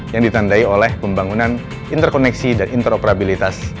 yang ditandai oleh pembangunan interkoneksi dan interoperabilitas